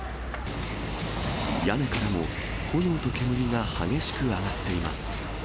屋根からも炎と煙が激しく上がっています。